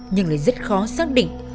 nhưng lại rất khó xác định